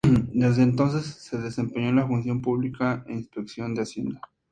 Desde entonces se desempeñó en la función pública, en Inspección de Hacienda.